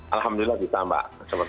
alhamdulillah bisa mbak